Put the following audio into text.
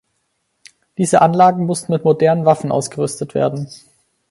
Diese Anlagen mussten mit modernen Waffen ausgerüstet werden.